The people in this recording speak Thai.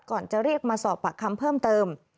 จะเรียกมาสอบปากคำเพิ่มเติม